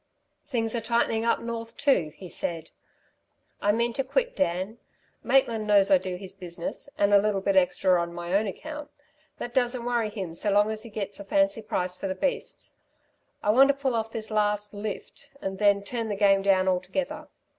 "Things are tightening up north, too?" he said, "I mean to quit, Dan. Maitland knows I do his business and a little bit extra on my own account. That doesn't worry him so long as he gets a fancy price for the beasts. I want to pull off this last 'lift' and then turn the game down altogether.